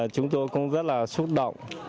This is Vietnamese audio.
chúng tôi cũng rất là xúc động